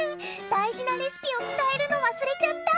大事なレシピを伝えるの忘れちゃった！